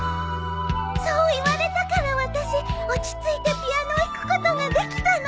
そう言われたから私落ち着いてピアノを弾くことができたの。